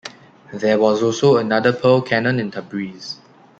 There was also another Pearl Cannon in Tabriz.